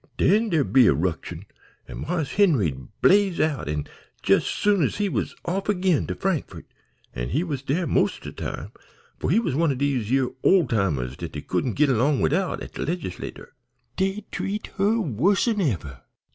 Den dere would be a 'ruction, an' Marse Henry'd blaze out, an' jes 's soon's he was off agin to Frankfort an' he was dere mos' of de time, for he was one o' dese yere ole timers dat dey couldn't git long widout at de Legislator dey'd treat her wus'n ever.